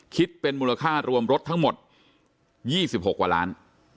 คิดเป็นมูลค่ารวมรถทั้งหมด๒๖กว่าล้าน